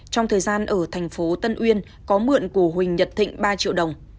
trong thời gian ở tp tân uyên có mượn của huỳnh nhật thịnh ba triệu đồng